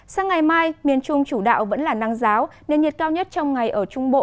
sang ngày mai miền trung chủ đạo vẫn là nắng giáo nền nhiệt cao nhất trong ngày ở trung bộ